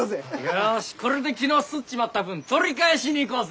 よしこれで昨日すっちまった分取り返しに行こうぜ！